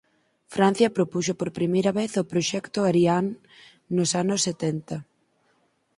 Francia propuxo por primeira vez o proxecto Ariane nos anos setenta.